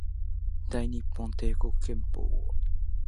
大日本帝国憲法